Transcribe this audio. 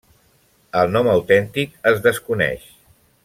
El nom autèntic es desconeix.